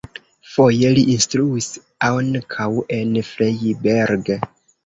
Foje li instruis ankaŭ en Freiberg.